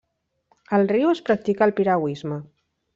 Al riu es practica el piragüisme.